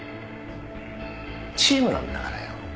チームなんだからよ。